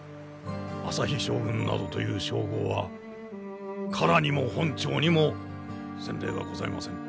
朝日将軍などという称号は唐にも本朝にも前例はございません。